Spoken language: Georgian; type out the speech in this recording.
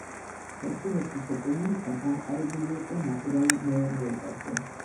ხევსურეთის ეკონომიკა დამყარებული იყო ნატურალურ მეურნეობაზე.